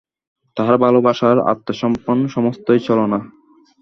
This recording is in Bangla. তাহার ভালো-বাসার আত্মসমর্পণ সমস্তই ছলনা!